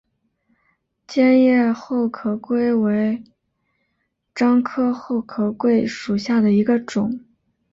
尖叶厚壳桂为樟科厚壳桂属下的一个种。